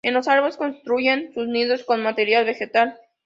En los árboles, construyen sus nidos con material vegetal.